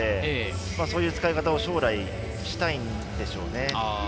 そういう使い方を将来したいんでしょうね。